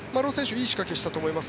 いい仕掛けをしたと思います。